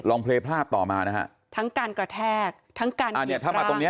ลองลองเพลย์พลาดต่อมานะฮะทั้งการกระแทกทั้งการอีกร้างอ่าเนี่ยถ้ามาตรงเนี้ย